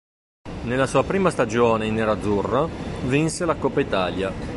Nella sua prima stagione in nerazzurro vinse la Coppa Italia.